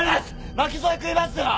巻き添え食いますよ！